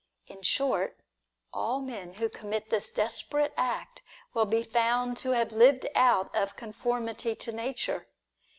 In short, all men who commit this desperate act, will be found to have lived out of conformity to nature.